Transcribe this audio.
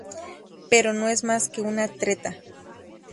Pero no es más que una treta.